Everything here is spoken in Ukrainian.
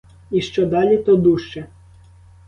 І що далі, то дужче.